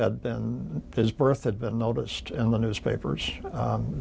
ได้เสด็จขึ้นเป็นพระมหากษัตริย์